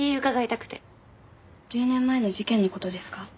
１０年前の事件の事ですか？